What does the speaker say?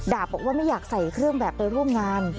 บอกว่าไม่อยากใส่เครื่องแบบไปร่วมงาน